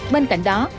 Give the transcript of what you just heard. bên cạnh đó